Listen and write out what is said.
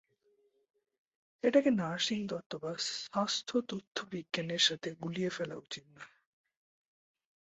এটাকে নার্সিং তত্ত্ব বা স্বাস্থ্য তথ্যবিজ্ঞানের সাথে গুলিয়ে ফেলা উচিত নয়।